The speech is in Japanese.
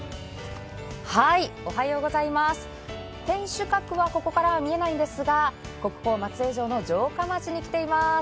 天守閣はここからは見えないんですが、国宝・松江城の城下町に来ています